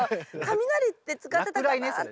雷って使ってたかなって。